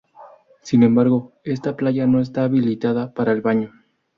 Sin embargo, esta playa no está habilitada para el baño.